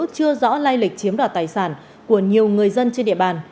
chưa rõ lai lịch chiếm đoạt tài sản của nhiều người dân trên địa bàn